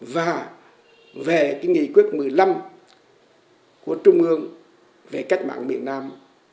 và về cái nghị quyết một mươi năm của trung ương về cách mạng miền nam